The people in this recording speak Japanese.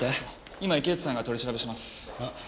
今池内さんが取り調べしています。